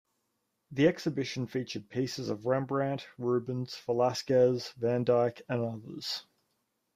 The exhibition featured pieces by Rembrandt, Rubens, Velazquez, Van Dyck, and others.